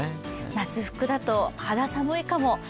夏服だと肌寒いかも。